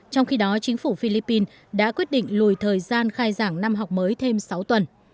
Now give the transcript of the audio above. trong khi đó chính phủ philippines đã quyết định lùi thời gian khai giảng năm học mới thêm sáu tuần